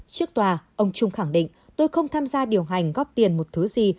trước tòa ông trung khẳng định tôi không tham gia điều hành góp tiền một thứ gì